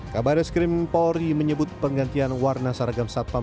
kabaret skrim polri menyebut penggantian warna seragam satpam